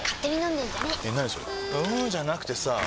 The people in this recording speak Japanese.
んーじゃなくてさぁ